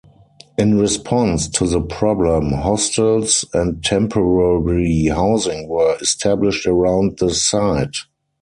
In response to the problem, hostels and temporary housing were established around the site.